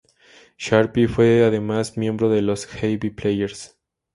Sharpe fue además miembro de los Abbey Players.